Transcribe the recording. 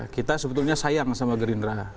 kita sebetulnya sayang sama gerindra